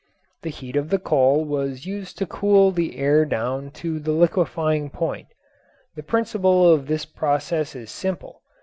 The heat of the coal was used to cool the air down to the liquefying point. The principle of this process is simple.